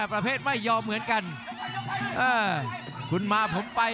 รับทราบบรรดาศักดิ์